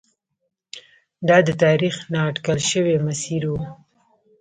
دا د تاریخ نا اټکل شوی مسیر و.